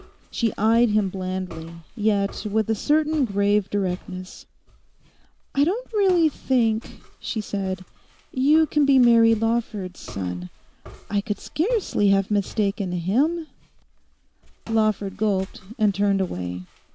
She eyed him blandly, yet with a certain grave directness. 'I don't really think,' she said, 'you can be Mary Lawford's son. I could scarcely have mistaken him.' Lawford gulped and turned away.